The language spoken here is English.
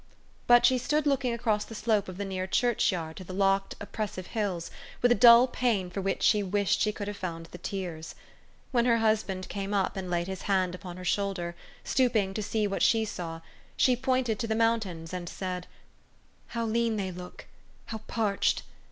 But she stood looking across the slope of the near church yard to the locked, oppressive hills, with a dull pain for which she wished she could have found the tears. When her husband came up, and laid his hand upon her shoulder, stooping to see what she saw, she pointed to the mountains, and said, u How lean they look ! How parched